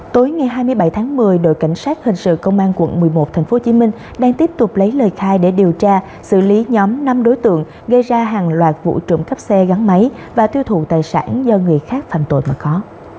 tối ngày hai mươi bảy tháng một mươi đội cảnh sát hình sự công an quận một mươi một tp hcm đang tiếp tục lấy lời khai để điều tra xử lý nhóm năm đối tượng gây ra hàng loạt vụ trộm cắp xe gắn máy và tiêu thụ tài sản do người khác phạm tội mà có